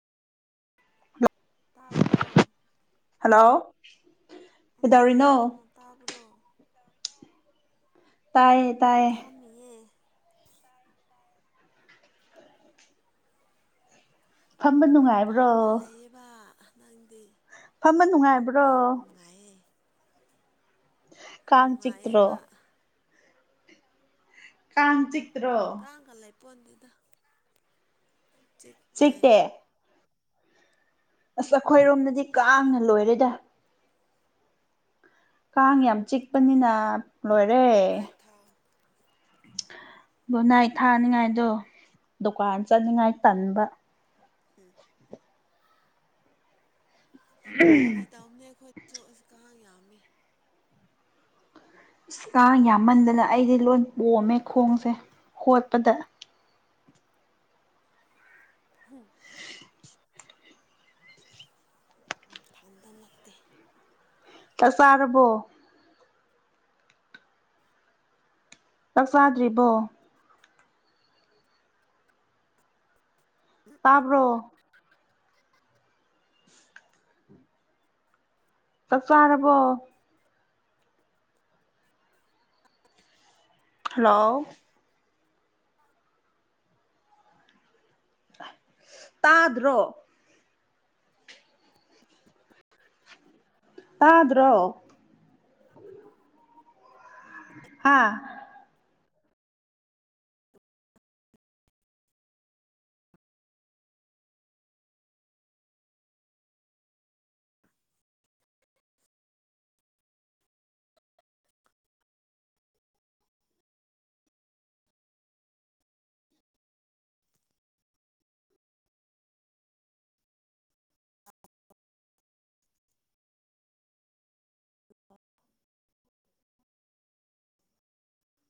ꯇꯥꯕ꯭ꯥꯔꯣ hello hello ꯀꯩꯗꯧꯔꯤꯅꯣ ꯎꯝ ꯇꯥꯕꯔꯣ ꯀꯩꯗꯧꯔꯤꯅꯣ ꯇꯥꯏꯌꯦ ꯇꯥꯏꯌꯦ ꯐꯝꯃꯤꯌꯦ ꯐꯝꯕ ꯅꯨꯡꯉꯥꯏꯕ꯭ꯔꯣ ꯐꯝꯃꯥ ꯂꯩꯌꯦꯕ ꯅꯪꯗꯤ ꯐꯝꯕ ꯅꯨꯡꯉꯥꯏꯕ꯭ꯔꯣ ꯅꯨꯡꯉꯥꯏꯌꯦ [inaudible] ꯀꯥꯡ ꯆꯤꯛꯇ꯭ꯔꯣ ꯅꯨꯡꯉꯥꯏꯌꯦꯕ ꯀꯥꯡ ꯆꯤꯛꯇ꯭ꯔꯣ ꯑꯥꯡꯒ ꯂꯩꯄꯣꯟꯗꯦꯗ ꯆꯤꯛꯇꯦ ꯑꯁ ꯑꯈꯣꯏꯔꯣꯝꯗꯗꯤ ꯀꯥꯡꯅ ꯂꯣꯏꯔꯦꯗ [inaudible] ꯀꯥꯡ ꯀꯥꯡ ꯌꯥꯝ ꯆꯤꯛꯄꯅꯤꯅ ꯂꯣꯏꯔꯦ ꯒꯨꯠ ꯅꯥꯏꯠ ꯊꯥꯎ ꯒꯨꯠ ꯅꯥꯏꯠ ꯊꯥꯅꯤꯉꯥꯏꯗꯣ ꯗꯨꯀꯥꯟ ꯆꯠꯅꯤꯡꯉꯥꯏ ꯇꯟꯕ ꯎꯝ ꯐꯥꯒꯤ ꯇꯧꯎꯝꯅꯦ ꯑꯈꯣꯏꯁꯨ ꯑꯁ ꯀꯥꯡ ꯌꯥꯝꯃꯦ ꯏꯁ ꯀꯥꯡ ꯌꯥꯝꯃꯟꯗꯅ ꯑꯩꯗꯤ ꯂꯣꯏꯟ ꯄꯣꯝꯃꯦ ꯈꯣꯡꯁꯦ ꯍꯣꯠꯄꯗ ꯏꯊꯟꯇ ꯅꯠꯇꯦ ꯆꯥꯛ ꯆꯥꯔꯕꯣ ꯆꯥꯛ ꯆꯥꯗ꯭ꯔꯤꯕꯣ ꯇꯥꯕ꯭ꯔꯣ ꯆꯥꯛ ꯆꯥꯔꯕꯣ ꯍꯜꯂꯣ ꯇꯥꯗ꯭ꯔꯣ ꯇꯥꯗ꯭ꯔꯣ ꯍꯥꯥ